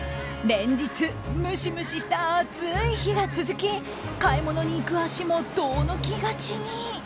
連日、ムシムシした暑い日が続き買い物に行く足も遠のきがちに。